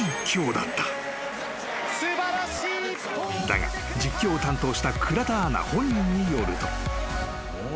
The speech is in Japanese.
［だが実況を担当した倉田アナ本人によると］